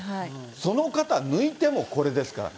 その方抜いてもこれですから。